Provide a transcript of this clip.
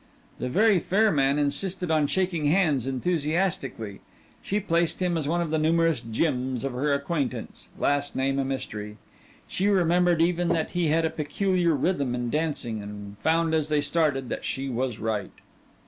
The very fair man insisted on shaking hands enthusiastically. She placed him as one of the numerous Jims of her acquaintance last name a mystery. She remembered even that he had a peculiar rhythm in dancing and found as they started that she was right.